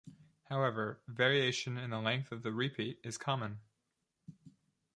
However, variation in the length of the repeat is common.